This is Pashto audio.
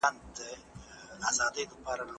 د قدرت څخه د ګټي اخيستلو هڅي د سياستپوهني مانا ورکوي.